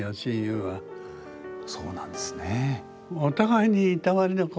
そうなんですね。